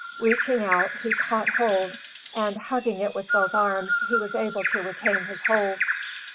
Reaching out, he caught hold; and hugging it with both arms, he was able to retain his hold.